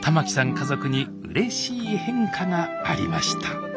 家族にうれしい変化がありました